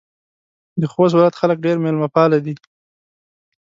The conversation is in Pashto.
د خوست ولایت خلک ډېر میلمه پاله دي.